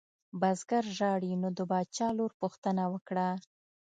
بزګر ژاړي نو د باچا لور پوښتنه وکړه.